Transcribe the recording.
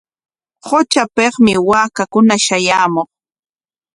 Qutrapikmi waakakuna shayaamuq.